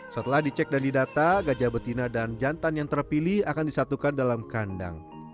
setelah dicek dan didata gajah betina dan jantan yang terpilih akan disatukan dalam kandang